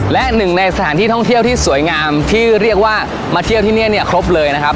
และหนึ่งในสถานที่ท่องเที่ยวที่สวยงามที่เรียกว่ามาเที่ยวที่นี่เนี่ยครบเลยนะครับ